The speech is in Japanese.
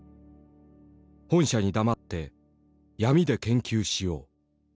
「本社に黙って闇で研究しよう」。